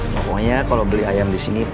pokoknya kalau beli ayam disini